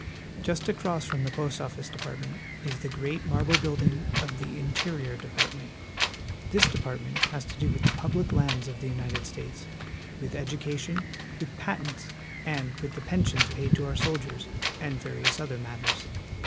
Just across from the Post Office Department is the great marble building of the Interior Department. This depart ment has to do with the public lands of the United States, with education, with patents, with the pensions paid to our soldiers, and various other matters.